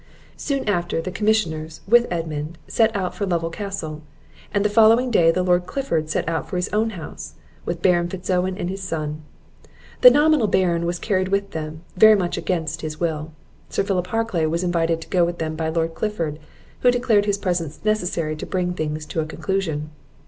Soon after, the commissioners, with Edmund, set out for Lovel Castle; and the following day the Lord Clifford set out for his own house, with Baron Fitz Owen and his son. The nominal Baron was carried with them, very much against his will. Sir Philip Harclay was invited to go with them by Lord Clifford, who declared his presence necessary to bring things to a conclusion.